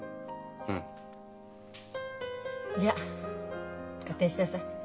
うん。じゃあ勝手にしなさい。